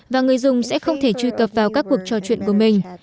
và người dùng sẽ không thể truy cập vào các cuộc trò chuyện của mình